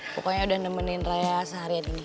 pokoknya udah nemenin raya seharian tinggi